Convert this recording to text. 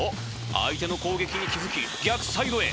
相手の攻撃に気付き逆サイドへ。